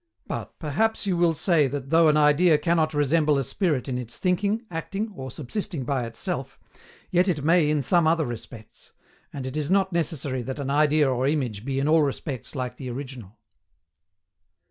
But, perhaps you will say that though an idea cannot resemble a spirit in its thinking, acting, or subsisting by itself, yet it may in some other respects; and it is not necessary that an idea or image be in all respects like the original.